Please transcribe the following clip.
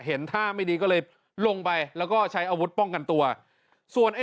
เห็นท่าไม่ดีก็เลยลงไปแล้วก็ใช้อาวุธป้องกันตัวส่วนไอ้